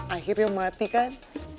akhirnya mati kan